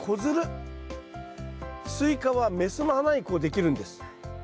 スイカは雌の花にこうできるんです。